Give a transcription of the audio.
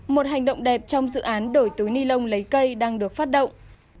một hành động đẹp trong dự án đổi túi ni lông lấy cây đang được phát động